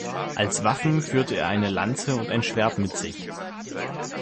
Als Waffen führte er eine Lanze und ein Schwert mit sich.